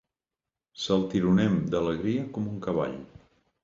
Saltironem d'alegria com un cavall.